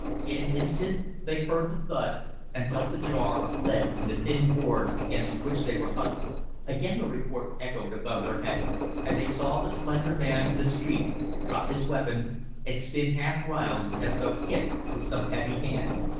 In an instant they heard the thud and felt the jar of lead in the thin boards against which they huddled. Again the report echoed above their heads, and they saw the slender man in the street drop his weapon and spin half round as though hit with some heavy hand.